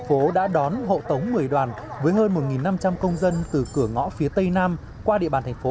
phố đã đón hộ tống một mươi đoàn với hơn một năm trăm linh công dân từ cửa ngõ phía tây nam qua địa bàn thành phố